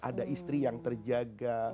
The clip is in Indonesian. ada istri yang terjaga